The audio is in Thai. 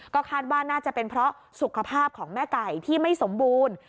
ก็คาดว่าน่าจะเป็นเพราะสุขภาพของแม่ไก่ที่ไม่สมบูรณ์